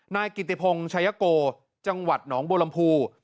นายกิติพงศ์ชายโกจังหวัดหนองบัวลำพู